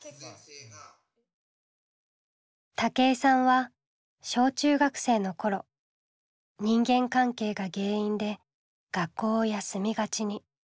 武井さんは小中学生の頃人間関係が原因で学校を休みがちに。